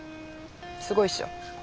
すごいっしょ。